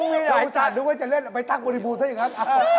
มีหลายคนคิดว่าจะเล่นไปตั้งบริบูรณ์ซะยังครับ